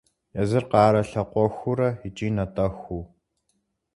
Езыр къарэ лъакъуэхурэ икӀи натӀэхуу.